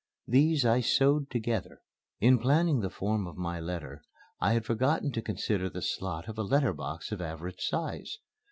These I sewed together. In planning the form of my letter I had forgotten to consider the slot of a letter box of average size.